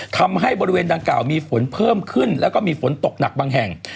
ทำให้บริเวณดังกล่าวมีฝนเพิ่มขึ้นแล้วก็มีฝนตกหนักบางแห่ง